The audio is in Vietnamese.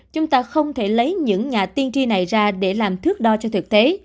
chúng ta không thể lấy những nhà tiên tri này ra để làm thước đo cho thực tế